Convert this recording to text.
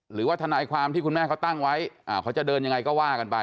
หรือว่าทนายความที่คุณแม่เขาตั้งไว้เขาจะเดินยังไงก็ว่ากันไป